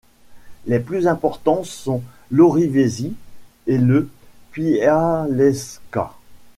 Les plus importants sont l'Orivesi et le Pyhäselkä.